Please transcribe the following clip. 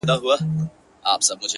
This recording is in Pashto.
زما د زړه په هغه شين اسمان كي ـ